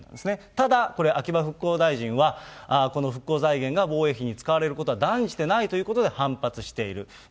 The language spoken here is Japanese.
ただ、これ、秋葉復興大臣はこの復興財源が防衛費に使われることは断じてないということで反発している。